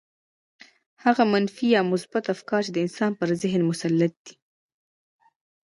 هغه منفي يا مثبت افکار چې د انسان پر ذهن مسلط دي.